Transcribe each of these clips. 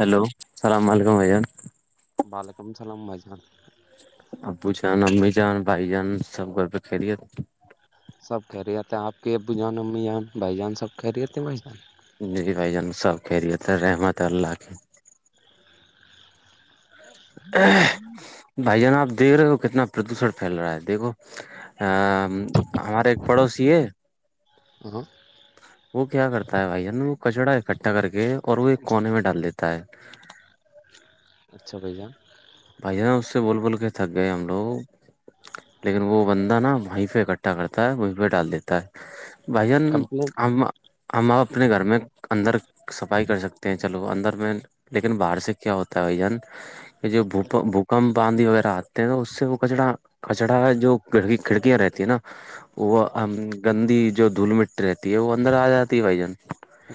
Hello السلام علیکم بھان وعلیکم السلام بھائی جان ابو چن امی چن بائی جان سب گھر پہ خھیری تھ سب کہہ رہی آتےے آپ کے ابو جان امی جان بھائی جان سب کہہ رہیتے ہیں بھائی جان جی جی بھائی جان سب کہ ریے رحمت اللہ کے بھائی جان آپ دیکھ رہے ہو کتنا پردوشن پھیل رہا ہے دیکھو ہمارے ایک پڑوسی ہے [inaudible] وہ کیا کرتا ہے بھائی جان وہ کچڑا اکٹھا کر کے اور وہ ایک کونے میں ڈال دیتا ہے اچھا بھائی جان بھائی جان اس سے بول بول کے تھک گئے ہم لوگ لیکن وہ بندہ نا وہیں پہ اکٹھا کرتا ہے وہیں پہ ڈال دیتا ہے بھائی کمپلینٹ ہم ہم آپ اپنے گھر میں اندر صفائی کر سکتے ہیں چلو اندر میں لیکن باہر سے کیا ہوتا ہے بھائی جان کہ جو بوکمپدھی وغیرہ آتے ہیں تو اس سے وہ کچرا کچڑا جو کھی کھڑکیاں رہتی ہے نا وہ ہم گندی جو دھول مٹی رہتی ہے وہ اندر آ جاتی ہے بھائی جان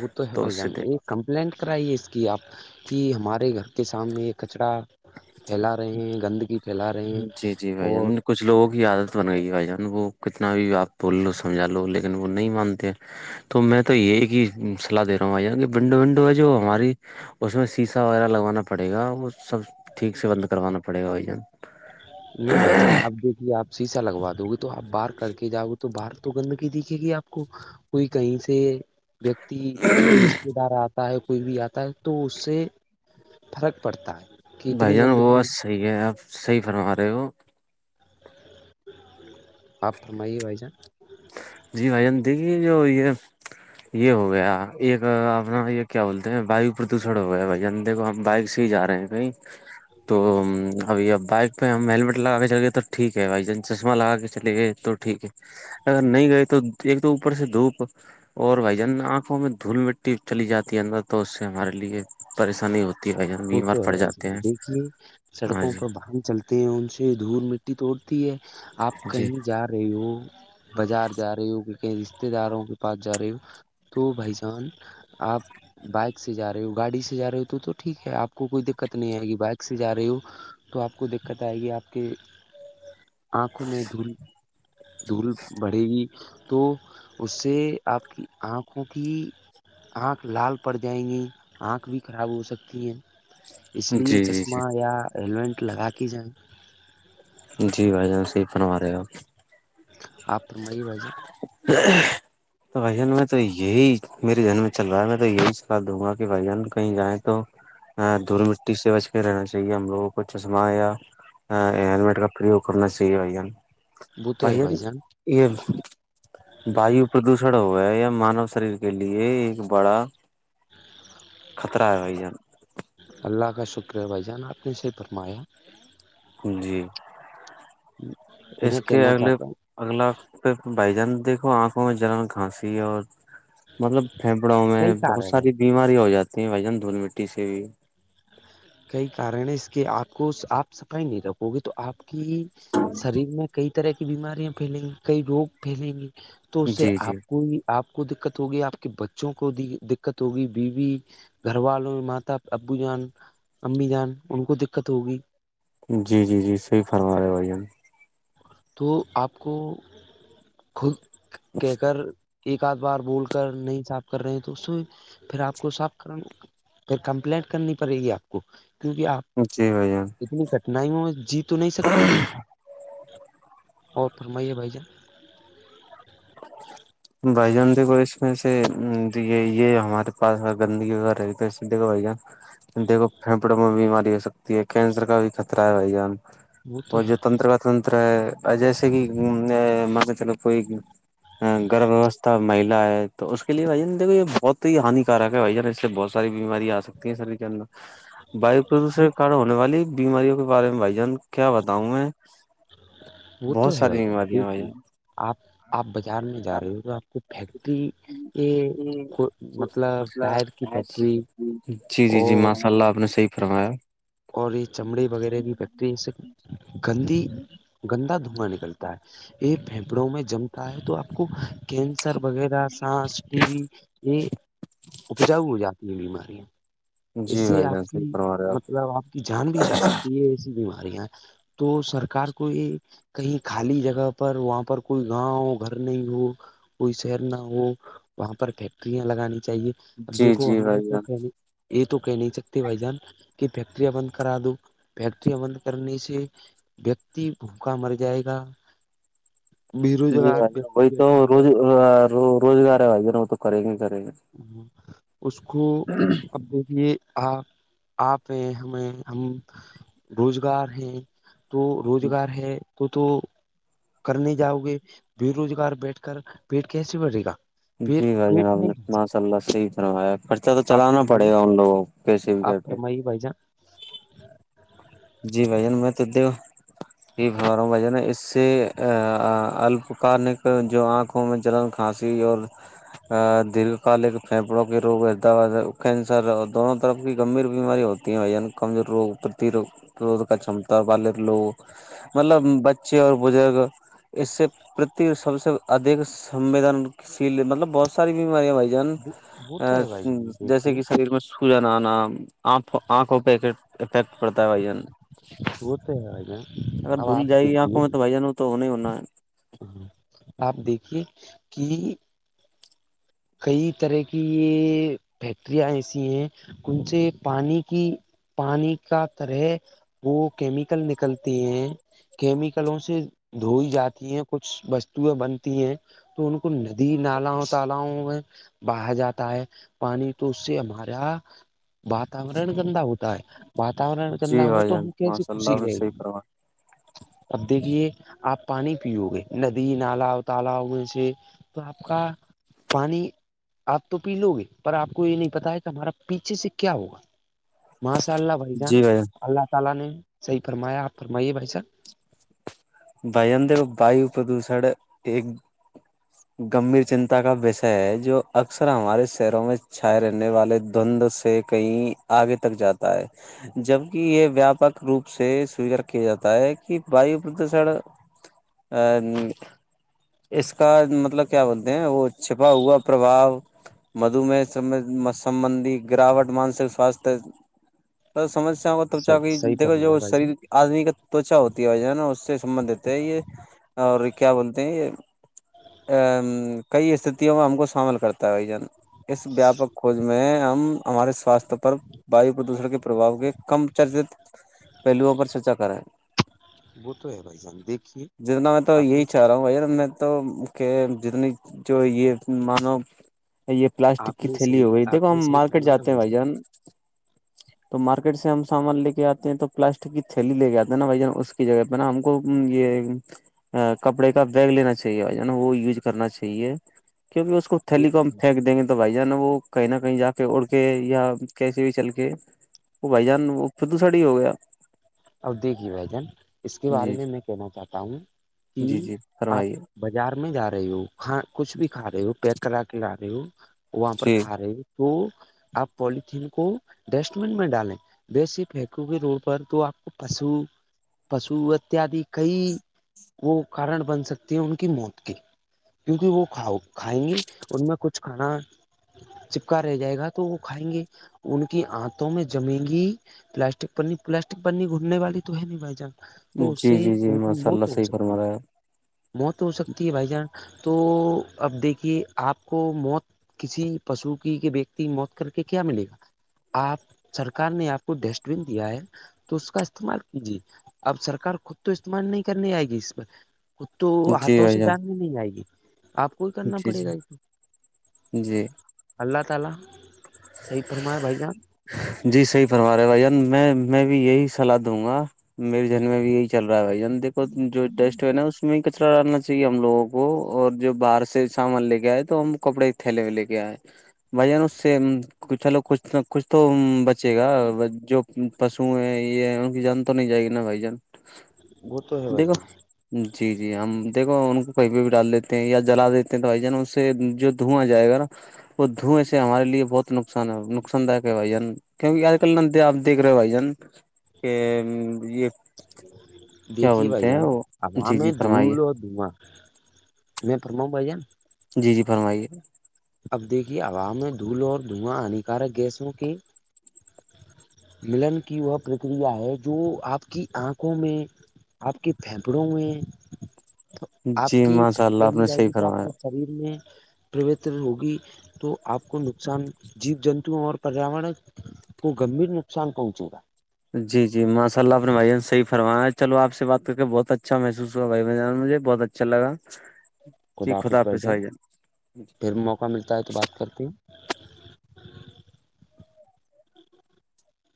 وہ تو ہیں بھائی اس جان سے کمپلینٹ کرائیے اس کی آپ کہ ہمارے گھر کے سامنے کچرا پھیلا رہے ہیں گندگی پھیلا رہے ہیں اور لوگ ہی آیاد بن گئی بھ جان وہ کتنا بھی آپ بول لو سمجھا لو لیکن وہ نہیں مانتے تو میں تو یہی ہی سلاح دے رہا ہوں آ ار ونڈو ونڈو ہے جو ہماری اس میں سیسا وغیرہ لگوانا پڑے گا وہ سب ٹھیک سے بند کرانا پڑے گا بھائی جان نہیں بھائی جان اب دیکھیے آپ شیسا لگوا دو گے تو آپ باہر کر کے جاؤ گے تو باہر تو گندگی دیکھے گی آپ کو کوئی کہیں سے ویکتی کوئی رشتے دار آتا ہے کوئی بھی آتا ہے تو اس سے فرق پڑتا ہے کہ بھائی اتنی جان وہ گندگی بات صحیح ہے آپ صحیح فرما رہے ہو آپ فرمائیے بھائی جان جی بھائی جان دیگھے جو یہ ہے یہ ہو گیا ایک اپنا یہ کیا بولتے ہیں باو پردوشن ہو گیا ہے بھائی انندے کو ہم بائک سے ہی جا رہے ہیں نہیں تو ابھی اب بائک پہ ہم ہیلمیٹ لگا کے چل گئے تو ٹھیک ہے بھائی ج چشمہ لگا کے چلے گئے تو ٹھیک ہے اگر نہیں گئے تو ایک تو اوپر سے دو اوپر اور بھائی جان آنکھوں میں دھول مٹی چلی جاتی ہے اندر تو اس سے ہمارے پریشانی ہوتی ہے بھائی جان وہ تو بیمار ہے پڑ جاتے بھائی ہیں دیکھیے ہاں سڑکوں جی پر بائکے چلتے ہیں ان سے دھول مٹی تو اڑتی ہے آپ جی کہیں جا رہ رہی ہوں بازار جا رہی ہوں کہ کہیں رشتے داروں کے پاس جا رہی ہوں تو بھائی جان آپ بائک سے جا رہے ہو گاڑی سے جا رہے ہو تو تو ٹھیک ہے آپ کو کوئی دقت نہیں آئے گی بائک سے جا رہی ہو تو آپ کو دقت آئے گی آپ کے ا [unintelligible] آنکھوں میں دھول دھول بڑھے گی تو اس سے آپ کی آنکھوں کی آنکھ لال پڑ جائیں گی آنکھ بھی خراب ہو سکتی اس لیے جی جی چشمہ یا ہیلمٹ لگا کے جائیں جی بھائی جان صحیح فرمارہے ہو آپ فرمائیں بھائی جان ا [unintelligible] تو بھائی جان میں تو یہی میرے جنم میں چل رہا ہے میں تو یہی سکھا دوں گا کہ بھائی جان کہیں جائیں تو دھول مٹی سے بچ کے رہنا چاہیے ہم لوگوں کو چشمہ یا ہیلمیٹ کا پریوک کرنا چاہئے بھائی جان وہ تو بھائی ہے جان یہ وایو پردوشن ہو ہے یہ مانو شریر کے لیے ایک بڑا خطرہ ہے بھائی جان اللہ کا شکر ہے بھائی جان آپ نے صحیح فرمایا جی اس میں کے کہنا اگلے چاہتا ہوں اگلا پ بھائی جان دیکھو آنکھوں میں جلن کھانسی ہے اور مطلب پھیپڑوں کئی میں بہت کارن ہیں ساری بیماری ہو جاتی ہیں بھائی جان دھول مٹی سے بھی کئی کارن ہے اس کے آپ کو آپ صفائی نہیں رکھو گے تو آپ کی شریر میں کئی طرح کی بیماریاں پھیلیں گی کئی روگ پھیلیں گی تو اس سے جی جی آپ کو آپ کو دقت ہوگی آپ کے بچوں کو دقت ہوگی بیوی گھر والوں ماتا ابو جان امی جان ان کو دقت ہوگی جی جی جی صحیح فرما رہے بھائی ہم تو آپ کو خود کہہ کر ایک آدھ بار بول کر نہیں صاف کر رہے ہیں تو اس پھر آپ کو صاف کرنا پھر کمپلینٹ کرنی پڑے گی آپ کو کیونکہ آپ جی بھائی جان اتنی کٹھناؤں میں جی تو نہیں سکتی وہ اور فرمائیے بھائی جان بھائی جان دیکھو اس وسے یہ یہ ہمارے پاس گندگی وغیرہ رہی تو دیکھو بھائی جان دیکھو پھیپڑوں میں بیماری ہو سکتی ہے کینسر کا بھی خطرہ ہے بھائی جان تو وہ ہے جو تنتر کا تنتر ہے جیسے کہ م چلو کوئی گرھ ویوستھا مہیلا ہے تو اس کےے بھائی جان دیکو یہ بہت ہی ہانیکارک ہے بھائی جان اس سے بہت ساری بیماری آ سکتی ہیں سریر کے اندر وایو پردوشن وہ کے کار ہونے والی [unintelligible] بیماریوں کے بارے میں بھائی جان کیا بتاؤں میں وہ بہت تو ہے بھائی ساری جان بیماریاں بھائی دیکھیے جان آپ آپ بازار میں جا رہے ہو تو آپ کو فیکٹری کے مطلب ٹائر کی فیکٹری جی جی جی اور ماشاء اللہ آپ نے صحیح فرمایا اور یہ چمڑے وغیرہ کی فیکٹری اس سے گندی گندا دھواں نکلتا ہے یہ پھیپڑوں میں جمتا ہے تو آپ کو کینسر وغیرہ سانس ٹی بی یہ اپجاؤ ہو جاتی ہیں بیماریاں جی اس سے بھائی جان آپ ہی کی فرما رہے ہو آپ مطلب آپ کی جان بھی جا سکتی یہ ایسی بیماریاں تو سرکار کو یہ کہیں خالی جگہ پر وہاں پر کوئی گاؤں ہو گھر نہیں ہو کوئی شہر نہ ہو وہاں پر فیکٹریاں لگانی چاہیے اب جی دیکھو جی ہمیں یہ بھائی تو جان یہ تو کہ نہیں سکتے بھائی جان [unintelligible] کہ فیکٹریاں بند کرا دو فیکٹریاں بند کرنے سے ویکتی بھوکا مر جائے گا بے جی روزگار بھائی جان ویکتی وہی تو بیٹھا ہے روز [unintelligible] روزگار آے ن ہو تو کریے گ کرریے گا [unintelligible] ہ اس کو اب دیکھیے آپ آپ ہیں ہمیں ہم روزگار ہیں تو روزگار ہے تو تو کرنے جاؤ گے بے روزگار بیٹھ کر پیٹ کیسے بڑھے گا پیٹ جی ہائی پیٹ جناب نہیں نے بھر [unintelligible] سکتا اللہ صحی طرح آ خرچہ تو آپ چلانا پڑے گا ان لوگوں کیسے بھی کر کے [unintelligible] بائی بائی جا [unintelligible] جی بھ جان میں تود [unintelligible] یہ بار بجن اس سے اپ کالک جو آنکھ [unintelligible] آکھوں میں چلن کھانسی اور [unintelligible] درھ کال ایک پھیپڑوں کے روگ حیدرآباد کینسر اور دونوں طرف کی گمبھیر بیماری ہوتی [unintelligible] کمزور روگ پرتی روگ کا چمتا بال لوگ مطلب بچے اور بزرگ اس سے پرتی سب سے ادھ سنویدن شیل مطلب بہت ساری بیماریاں بائی وہ وہ تو ہے بھائی جان [unintelligible] دیکھیے جیسے کہ شریر میں جان آ نا آنکھ آنکھوں پہ افیکٹ پڑتا ہے بھائی جان ہوتے ہے آ اگر دھل جائے گی آنکھوں میں تو بھائی جانوں تو نہیں ہونا ہے [unintelligible] ہ آپ دیکھیے کہ کئی طرح کی یہ فیکٹریاں ایسی ہیں ان سے پانی کی پانی کا طرح وہ کیمیکل نکلتی ہیں کیمیکلوں سے دھوئی جاتی ہیں کچھ وستوئیں بنتی ہیں تو ان کو ندی نالا تالؤ باہر جاتا ہے پانی تو اس سے ہمارا واتورن گندا ہوتا ہے واتورن گندا جی ہو بھائی تو ہم جان کیسے ماشاء خوشی اللہ میں رہیں صحیح گے کروا اب دیکھیے آپ پانی پیو گے ندی نالا تالا ہوئے سے تو آپ کا پانی آپ تو پی لو گے پر آ کو یہ نہیں پتا ہے کہ ہمارا پیچھے سے کیا ہوگا ماشاءاللہ بھائی جان اللہ تعالی نے صحیح فرمایا فرمائیے بھائی [unintelligible] بجن تو واو پردوشن ایک گمبھیر چنتا کا وشے ہے جو اکثر ہمارے شہروں میں چھائے رہنے والے دند سے کہیں آگے تک جاتا ہے جبک یہ ویاپک روپ سے سویکار کیا جاتا ہے کہ وو [unintelligible] تو سڑا ا [unintelligible] اس کا مطلب کیا بولتے ہیں وہ چھپا ہوا پرباؤ مدومہ سمبندی گراوٹ مانسک سواستھ تو سمسیاں کا توچا صحیح کی صحیح دیکھو جو فرمایا بھائی جان شریر آدمی کا تچا ہوتی ہےج ہے نا سے سبھ ہے یہ اور کیا بولتے ہیں یہ [unintelligible] ا کئی استتوں میں ہم کو شامل کرتا ہے ج اس ویاپک کھوج میں ہم ہمارے سوستھ پر وایو پردوشن کے پرباؤ کے کم چرچت پہلوؤ پر چرچا کرایں وہ تو ہے بھائی جان دیکھیے جتنا میں تو آپ نے یہی چاہ رہا ہوں بھار میں تو کہ جتنی جو یہ مانو یہ پلاسٹک آپ کی نے تھیلی صحیح ہو گئی آپ دیکھو نے ہم صحیح مارکیٹ فرمایا جاتے ہیں بھائی جان تو مارکیٹ سے ہم سامان لے کے آتے ہیں تو پلاسٹک کی تھیلی لے کے آتے نا بھائی جان اس کی جگہ پہ م ہم کو یہ کپڑے کا بیگ لینا چاہیے نا وہ یوز کرنا چاہیے کیونکہ اس کو تھلی کو دیکھیے پھینک دیں گے تو بھائی جانا وہ کہیں نہ کہیں جا کے اڑ کے یا کیسے بھی چل کے وہ بھائی جان وہ پدو ساڑی ہو گیا ادگی بجن اس کے بارے جی میں میں کہنا چاہتا ہوں کہ جی جی آپ فرمائیے بازار میں جا رہے ہو ک کچھ بھی کھا رہے ہو پیک کرا کے جا رہے ہو وہاں پر جی کھا رہے ہو تو آپ پولیتھیین کو ڈسٹ بین میں ڈالیں وی صر پھیکوں گی روڈ پر تو آپ کو پشو پشو اتیاد کئی وہ کارن بن سکتے ہیں ان کی موت کے کیونکہ وہ ک کھائیں گی ان میں کچھ کھانا چپکا رہ جائے گا تو وہ کھائیں گے ان کی آنتوں میں جمیں گی پلاسٹک پنی پلاسٹک پنی گھٹنے والی تو ہے نہیں بھائی جان تو اس جی سے جی جی ان کی ماشاء اللہ موت ہو صحیح فرما سکتی ہے رہا موت ہو سکتی ہے بھائی جان تو اب دیکھیے آپ کو موت کسی پشو کی کے ویکتی کی موت کر کے کیا ملے گا آپ سرکار نے آپ کو ڈسٹ بین دیا ہے تو اس کا استعمال کیجیے اب سرک خود تو استعمال نہیں کرنی آئے گی اس پر خ تو آپ۔ جی ہاتھوں سے بھائی جان ڈالنے نہیں آئے گی آپ کوئی کرنا جی پڑے جی گا اس جی تو ا جی صحیح فرما رہے ہیں بھائی میں میں بھی یہی سلاح دوں گا میرے جن میں بھی یہی چل رہا ہےھائی دیکھو جو ڈسٹ ن ہے اس میں کچرا ڈالنا چاہیے ہم لوگوں کو اور جو باہر سے سامان لے کے آئے تو ہم کپڑے تھیلے میں لے کے آئے بھ ن اس سے چلو کچھ کچھ تو بچے گا جو پشو ہیں یہ ہے ان کی جان تو نہیں جائے گی نا بھائی جان وہ تو ہے بھائی دیکھو جی جی ہم دیکھو ان کو کہیں پہ بھی ڈال دیتے ہیں یا جلا دیتے ہیں تو بائی جان اس سے جو دھواں جائے گا نا وہ دھویں سے ہمارے لیے بہت نقصان ہے نقصان داک ہے بھائی جان کیونکہ آج کل ن دپ دیکھ رہے ہو بھائی جان کہ یہ جان کیا دیکھیے بھائی بولتے ہیں جان وہ ہوا جی جی میں فرمائیے دھول اور میں پرماؤ بھائی جان جی جی فرمائیے اب دیکھیے عوام میں دھول اور دھواں ہانیکارک گیسوں کی ملن کی وہ پرکریا ہے جو آپ کی آنکھوں میں آپ کے پھیپھڑوں میں تو آپ جی کی ماشاء اللہ پھیپڑوں آپ میں نے جائے صحیح گی تو آپ فرمایا کے شریر میں پوت ہوگی تو آپ کو نقصان جیب جنتو اور پریاور وہ گمبھیر نقصان پہنچے گا جی جی ماشء اللہ اپ نے بھائی نے صح فرایا چلو آ سے بات کر کے بہت اچھا محس ہوا بھائی مجھے بہت اچھا چلگا خود آاپس بہ جان پھر موقع ملتا ہے تو بات کرتے ہیں